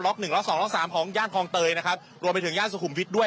หนึ่งล็อกสองล็อกสามของย่านคลองเตยนะครับรวมไปถึงย่านสุขุมวิทย์ด้วย